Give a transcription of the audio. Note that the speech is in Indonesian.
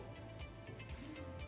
pertanyaan kedua datang dari social media